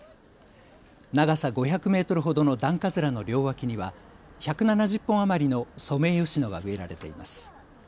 長さ５００メートルほどの段葛の両脇には１７０本余りのソメイヨシノが植えられています。